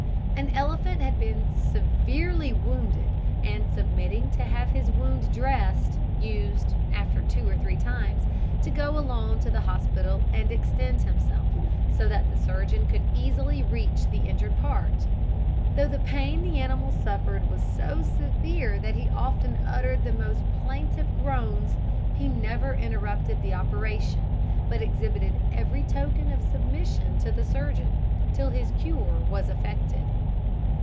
An elephant had been severely wounded, and submitting to have his wound dressed, used, after two or three times, to go alone to the hospital and extend himself, so that the surgeon could easily reach the injured part. Though the pain the animal suffered was so severe that he often uttered the most plaintive groans, he never interrupted the operation, but exhibited every token of submission to the surgeon, till his cure was effected.